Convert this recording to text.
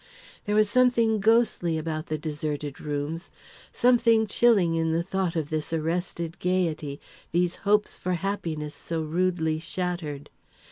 There was something ghostly about the deserted rooms something chilling in the thought of this arrested gaiety, these hopes for happiness so rudely shattered.